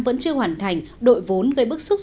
vẫn chưa hoàn thành đội vốn gây bức xúc